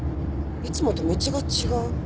いつもと道が違う。